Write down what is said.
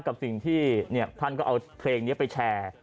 กับสิ่งที่ท่านก็เอาเพลงนี้ไปแชร์